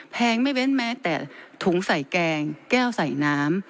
แงไม่เว้นแม้แต่ถุงใส่แกงแก้วใส่น้ำ